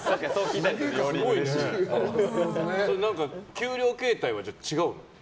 何か、給料形態は違うの？